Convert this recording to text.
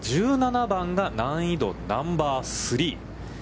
１７番が難易度ナンバースリー。